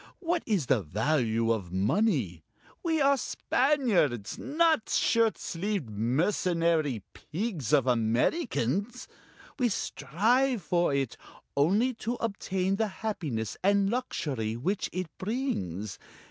What is the value of money we are Spaniards, not shirt sleeved, mercenary pigs of Americans! We strive for it, only to obtain the happiness and luxury which it brings.